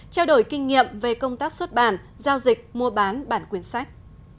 trao đổi kinh nghiệm về công tác xuất bản giao dịch mua bán bản quyền sách